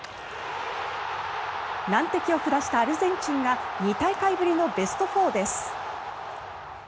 難敵を下したアルゼンチンが２大会ぶりのベスト４です。